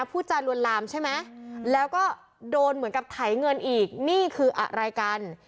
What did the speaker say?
พูดจารวนลามใช่ไหมแล้วก็โดนเหมือนกับไถเงินอีกนี่คืออะไรกัน